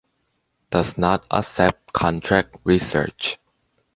Does not accept contract research.